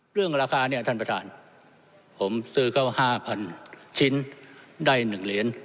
เรื่องราคาเนี่ยท่านประธานผมซื้อเข้า๕๐๐๐ชิ้นได้๑เหรียญ